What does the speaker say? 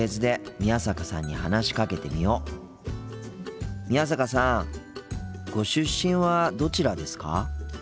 宮坂さんご出身はどちらですか？